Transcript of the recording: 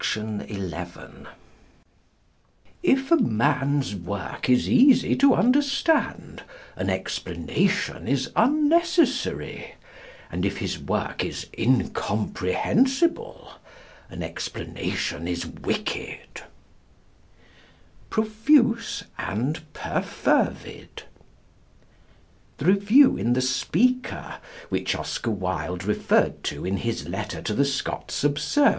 _If a man's work is easy to understand an explanation is unnecessary, and if his work is incomprehensible an explanation is wicked._ PROFUSE AND PERFERVID. The review in The Speaker which Oscar Wilde referred to in his letter to The Scots Observer (see par.